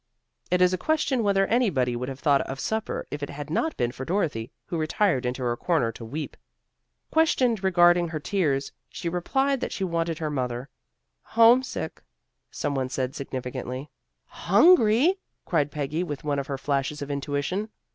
It is a question whether anybody would have thought of supper if it had not been for Dorothy, who retired into a corner to weep. Questioned regarding her tears, she replied that she wanted her mother. "Homesick," some one said significantly. "Hungry!" cried Peggy, with one of her flashes of intuition.